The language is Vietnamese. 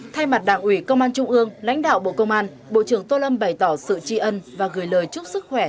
thay mặt đảng ủy công an trung ương lãnh đạo bộ công an bộ trưởng tô lâm bày tỏ sự tri ân và gửi lời chúc sức khỏe